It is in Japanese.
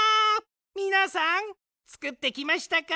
みなさんつくってきましたか？